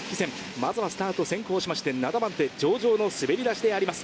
まずはスタート先行しまして、７番手、上々の滑り出しであります。